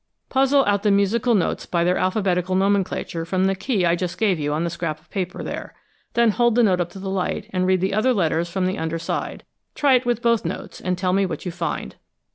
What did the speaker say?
Puzzle out the musical notes by their alphabetical nomenclature from the key I just gave you on the scrap of paper there; then hold the note up to the light, and read the other letters from the under side. Try it with both notes, and tell me what you find."